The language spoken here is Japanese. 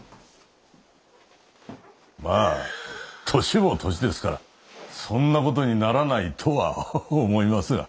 まあ年も年ですからそんな事にならないとは思いますが。